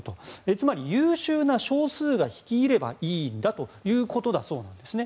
つまり、優秀な少数が率いればいいんだということだそうです。